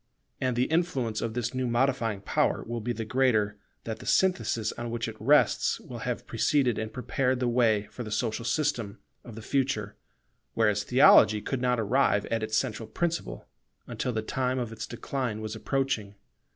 And the influence of this new modifying power will be the greater that the synthesis on which it rests will have preceded and prepared the way for the social system of the future; whereas theology could not arrive at its central principle, until the time of its decline was approaching.